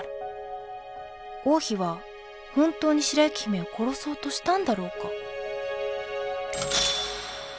王妃は本当に白雪姫を殺そうとしたんだろうか。